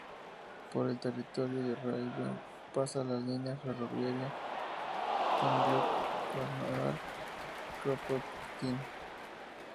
Por el territorio del raión pasa la línea ferroviaria Temriuk-Krasnodar-Kropotkin.